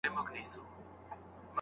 خو ما همېش له تورو شپو سره يارې کړې ده